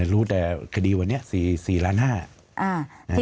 รู้แต่คดีวันนี้๔๕๐๐๐๐๐บาท